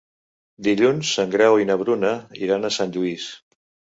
Dilluns en Grau i na Bruna iran a Sant Lluís.